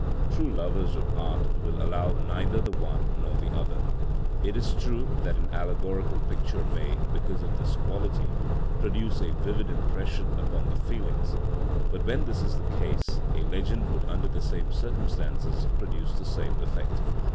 True lovers of art will allow neither the one nor the other. It is true that an allegorical picture may, because of this quality, produce a vivid impression upon the feelings; but when this is the case, a legend would under the same circumstances produce the same effect.